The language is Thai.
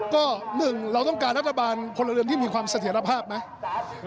ก็หนึ่งเราต้องการรัฐบาลพลเรือนที่มีความเสถียรภาพไหม